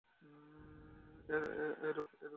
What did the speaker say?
এরূপ বলা ঈশ্বরের নিন্দা করা।